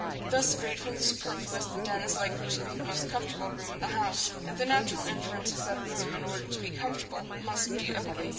Thus freed from the superfluous, the den is likely to be the most comfortable room in the house; and the natural inference is that a room, in order to be comfortable, must be ugly.